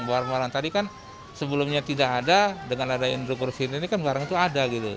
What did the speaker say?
barang barang tadi kan sebelumnya tidak ada dengan ada indrokorsi ini kan barang itu ada gitu